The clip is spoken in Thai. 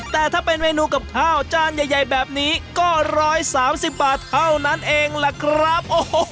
แต่ถ้าเป็นเมนูกับข้าวจานใหญ่แบบนี้ก็๑๓๐บาทเท่านั้นเองล่ะครับ